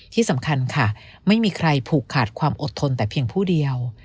ที่สำคัญค่ะไม่มีใครผูกขาดความอดทนแต่เพียงผู้เดียว